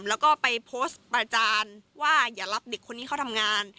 แล้วก็ไปโพสต์ประจานว่าอย่ารับเด็กคนนี้เข้าทำงาน